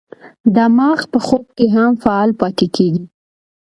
دماغ په خوب کې هم فعال پاتې کېږي.